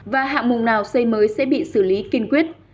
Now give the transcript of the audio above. và hạng mục nào xây mới sẽ bị xử lý kiên quyết